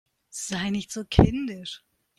Sei nicht so kindisch!